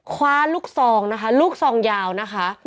คว้าลูกซองนะคะลูกซองยาวนะคะ